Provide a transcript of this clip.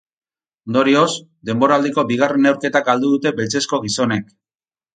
Ondorioz, denboraldiko bigarren neurketa galdu dute beltzezko gizonek.